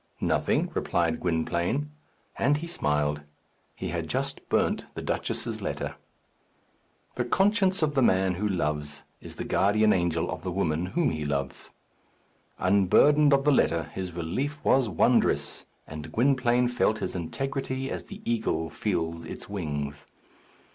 "Nothing," replied Gwynplaine. And he smiled. He had just burnt the duchess's letter. The conscience of the man who loves is the guardian angel of the woman whom he loves. Unburdened of the letter, his relief was wondrous, and Gwynplaine felt his integrity as the eagle feels its wings.